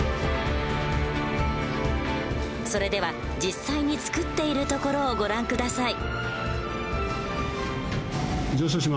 それでは実際に造っているところをご覧下さい。